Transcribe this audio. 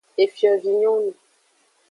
Efiovinyonu.